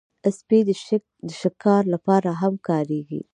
سپي د شکار لپاره هم کارېږي.